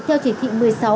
theo chỉ thị một mươi sáu